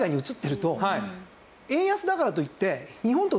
円安だからといって。